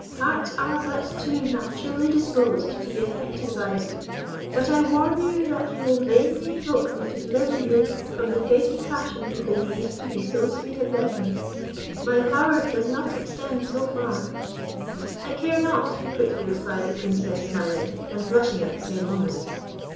Hearts are but too naturally disposed to be affected by it. But I warn you that you will vainly invoke me to deliver you from the fatal passion you believe to be so sweet a blessing. My power does not extend so far." "I care not," quickly replied the Princess, smiling and blushing at the same moment.